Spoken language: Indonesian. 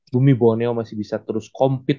bumi boneo masih bisa terus compete